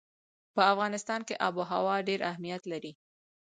په افغانستان کې آب وهوا ډېر اهمیت لري.